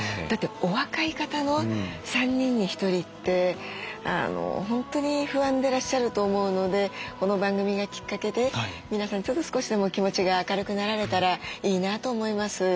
だってお若い方の３人に１人って本当に不安でらっしゃると思うのでこの番組がきっかけで皆さんちょっと少しでも気持ちが明るくなられたらいいなと思います。